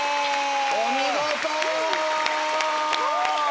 お見事！